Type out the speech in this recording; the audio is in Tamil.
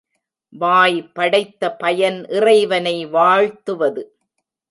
வாய் படைத்த பயன் இறைவனை வாழ்த்துவது.